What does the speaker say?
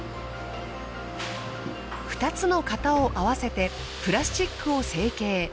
２つの型を合わせてプラスチックを成形。